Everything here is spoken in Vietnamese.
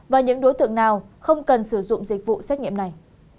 và những đối tượng nào không cần sử dụng dịch vụ xét nghiệm này